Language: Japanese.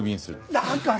だから！